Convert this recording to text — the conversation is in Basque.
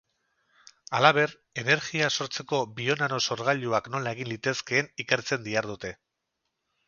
Halaber, energia sortzeko bio-nano sorgailuak nola egin litezkeen ikertzen dihardute.